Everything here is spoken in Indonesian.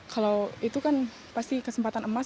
kalau itu kan pasti kesempatan emas